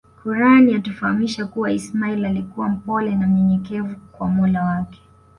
Quran yatufahamisha kuwa ismail alikua mpole na mnyenyekevu kwa mola wake